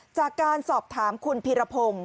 จากการสอบถามคุณพีรพงศ์